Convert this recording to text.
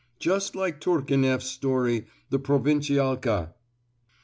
Just like Turgenieff's story 'The Provincialka!